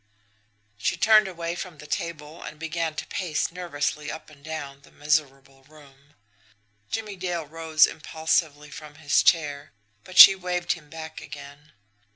She turned away from the table, and began to pace nervously up and down the miserable room. Jimmie Dale rose impulsively from his chair but she waved him back again.